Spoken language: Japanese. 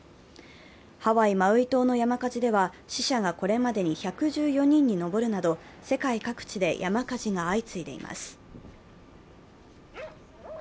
ハワイ・マウイ島の山火事では死者がこれまでに１１４人に上るなど世界各地で山火事が相次いでいます。